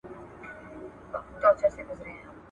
پر لکړه مي بار کړی د ژوندون د لیندۍ پېټی ..